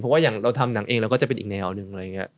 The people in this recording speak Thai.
เพราะว่าอย่างเราทำหนังเองเราก็จะเป็นอีกแนวหนึ่งอะไรอย่างนี้